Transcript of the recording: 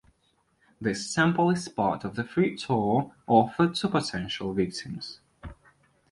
This temple is part of the free tour offered to potential victims.